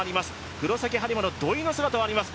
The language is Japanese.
黒崎播磨の土井の姿もあります。